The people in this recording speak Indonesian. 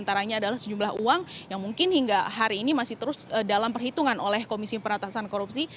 antaranya adalah sejumlah uang yang mungkin hingga hari ini masih terus dalam perhitungan oleh komisi peratasan korupsi